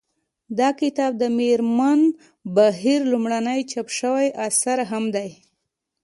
دا کتاب د مېرمن بهیر لومړنی چاپ شوی اثر هم دی